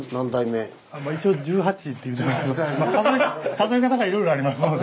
数え方がいろいろありますので。